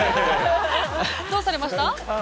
◆どうされました？